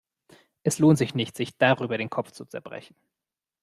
Es lohnt sich nicht, sich darüber den Kopf zu zerbrechen.